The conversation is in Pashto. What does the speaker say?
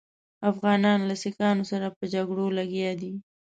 افغانان له سیکهانو سره په جګړو لګیا دي.